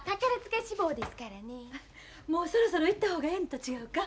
もうそろそろ行った方がええんと違うか？